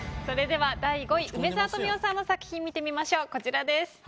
それでは第５位梅沢富美男さんの作品見てみましょうこちらです。